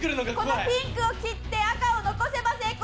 このピンクを切って赤を残せば成功。